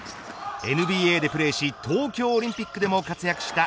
ＮＢＡでプレーし東京オリンピックでも活躍した。